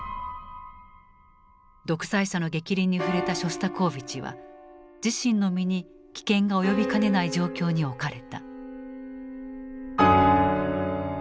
独裁者の逆鱗に触れたショスタコーヴィチは自身の身に危険が及びかねない状況に置かれた。